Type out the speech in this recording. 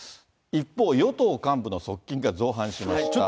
一方、与党幹部の側近が造反しました。